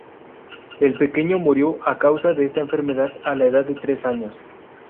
El pequeño murió a causa de esta enfermedad a la edad de tres años.